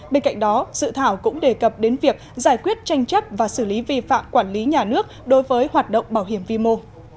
bên cạnh đó dự thảo cũng đề cập đến việc giải quyết tranh chấp và xử lý vi phạm quản lý nhà nước đối với hoạt động bảo hiểm vi mô